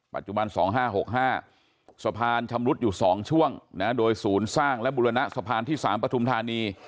๒๕๖๕สะพานชำรุดอยู่๒ช่วงโดยศูนย์สร้างและบุรณะสะพานที่๓ปฐุมธานี